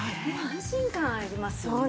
安心感ありますよね。